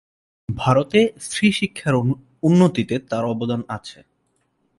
ভারতে স্ত্রী শিক্ষার উন্নতিতে তার অবদান আছে।